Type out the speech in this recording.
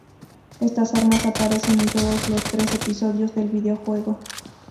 Estas armas aparecen en todos los tres episodios del videojuego.